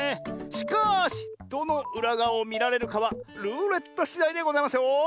しかしどのうらがわをみられるかはルーレットしだいでございますよ。